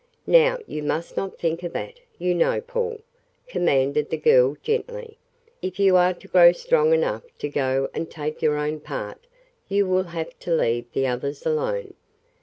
"Now you must not think of that, you know, Paul," commanded the girl gently. "If you are to grow strong enough to go and take your own part you will have to leave the others alone.